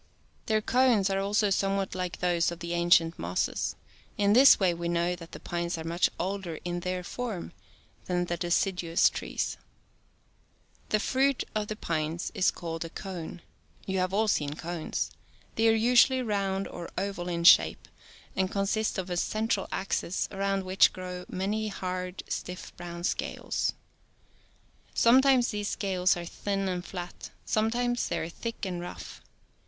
86 Their cones are also somewhat like those of the ancient mosses. In this way we know that the pines are much older in their form than the de ciduous trees. The fruit of the pines is called a cone. You have all seen cones. They are usually round or oval in shape, and consist of a central axis, around which grow many stiff, hard, brown scales. Sometimes these scales are thin and flat, some times they are thick and rough.